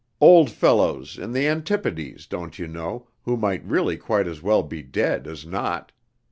Old fellows in the Antipodes, don't you know, who might really quite as well be dead as not.